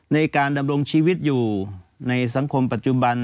ในการดำรงชีวิตอยู่ในสังคมปัจจุบัน